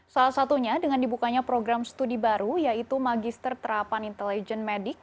salah satunya dengan dibukanya program studi baru yaitu magister terapan intelijen medik